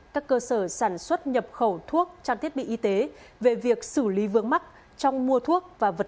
các cơ sở sản xuất nhập khẩu thuốc trang thiết bị y tế về việc xử lý vướng mắc trong mua thuốc và vật